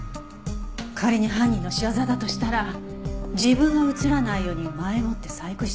仮に犯人の仕業だとしたら自分が映らないように前もって細工していた事になるわね。